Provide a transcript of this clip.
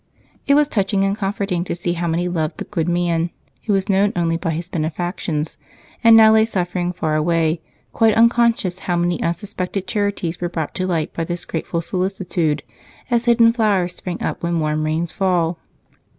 It was touching and comforting to see how many loved the good man who was known only by his benefactions and now lay suffering far away, quite unconscious how many unsuspected charities were brought to light by this grateful solicitude as hidden flowers spring up when warm rains fall.